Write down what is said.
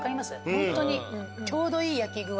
ホントにちょうどいい焼き具合で。